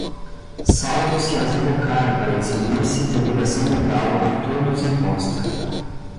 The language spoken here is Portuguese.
salvo se as invocar para eximir-se de obrigação legal a todos imposta